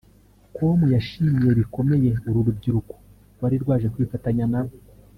com yashimiye bikomeye uru rubyiruko rwari rwaje kwifatanya nabo